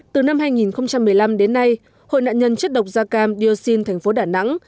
từ năm hai nghìn một mươi năm đến nay hội nạn nhân chất độc da cam dioxin thành phố đà nẵng